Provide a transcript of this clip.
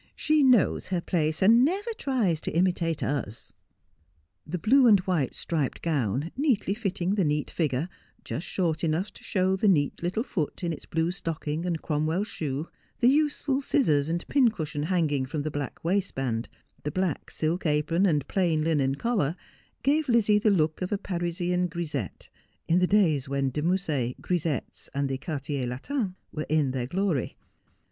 ' She knows her place, and never tries to imitate us.' A Paragon of Cobs. 293 The blue and wliite striped gown, neatly fitting the neat figure, just short enough to show the neat little foot in its blue stocking and Cromwell shoe, the useful scissors and pin cushion hanging from the black waistband, the black silk apron, and plain linen collar gave Lizzie the look of a Parisian grisette ; in the days when De Musset, grisettes, and the Quartier Latin •were in their glory.